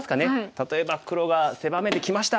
例えば黒が狭めてきました。